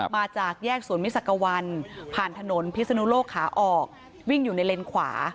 มาจากแยกสวนมิสักวันผ่านถนนพิศนุโลกขาออกวิ่งอยู่ในเลนขวา